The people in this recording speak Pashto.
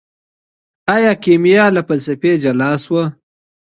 ايا کيميا له فلسفې جلا سوه؟